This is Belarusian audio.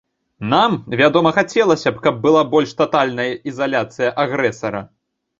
Нам, вядома, хацелася б, каб была больш татальная ізаляцыя агрэсара.